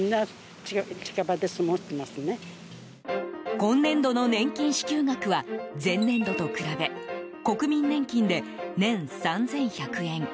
今年度の年金支給額は前年度と比べ国民年金で年３１００円